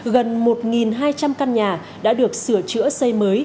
gần một hai trăm linh căn nhà đã được sửa chữa xây mới